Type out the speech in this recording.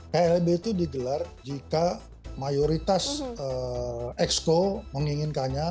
klb itu digelar jika mayoritas ex co menginginkannya